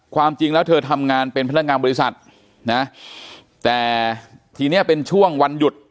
ความจริงแล้วเธอทำงานเป็นพนักงานบริษัทนะแต่ทีนี้เป็นช่วงวันหยุด